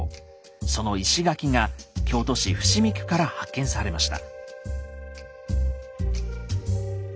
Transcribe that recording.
その石垣が京都市伏見区から発見されました。